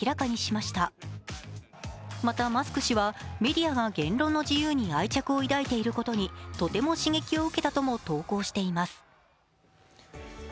またマスク氏はメディアが言論の自由に愛着を抱いていることにとても刺激を受けたとも投稿しています。